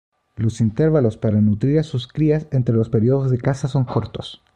Los intervalos para nutrir a sus crías entre los períodos de caza son cortos.